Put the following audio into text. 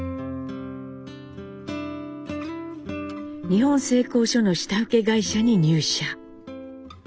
日本製鋼所の下請け会社に入社。